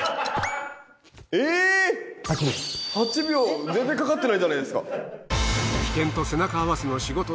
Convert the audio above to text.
８秒全然かかってないじゃないですか。